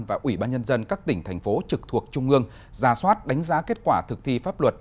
và ủy ban nhân dân các tỉnh thành phố trực thuộc trung ương ra soát đánh giá kết quả thực thi pháp luật